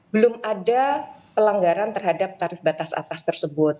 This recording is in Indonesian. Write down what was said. belum ada pelanggaran terhadap tarif batas atas tersebut